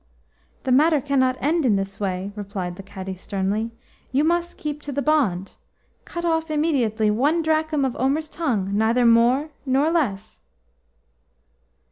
HE matter cannot end in this way," replied the Cadi sternly. "You must keep to the bond. Cut off immediately one drachm of Omer's tongue, neither more nor less."